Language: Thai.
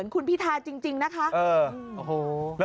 คุณพิท่าอ้อไม่ใช่ครับ